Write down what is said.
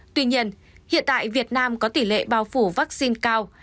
tuy nhiên hiện tại việt nam có tỷ lệ bao phủ vaccine cao